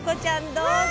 どうぞ。